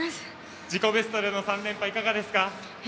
自己ベストでの３連覇いかがですか？